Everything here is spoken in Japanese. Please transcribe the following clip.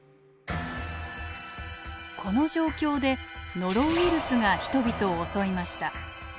この状況でノロウイルスが人々を襲いました。